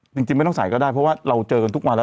จริงไม่ต้องใส่ก็ได้เพราะว่าเราเจอกันทุกวันแล้ว